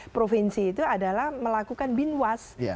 provinsi itu adalah melakukan binwas